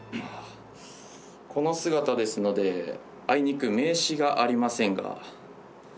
この姿ですのであいにく名刺がありませんが。